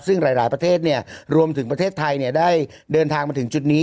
ซึ่งหลายประเทศรวมถึงประเทศไทยได้เดินทางมาถึงจุดนี้